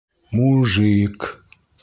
Му-ужи-ик!